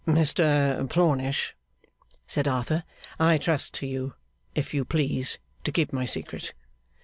'Mr Plornish,' said Arthur, 'I trust to you, if you please, to keep my secret.